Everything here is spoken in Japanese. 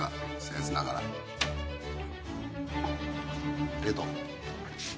ありがとう。